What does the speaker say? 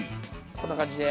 こんな感じで。